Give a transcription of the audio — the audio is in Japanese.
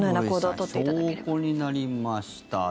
証拠になりました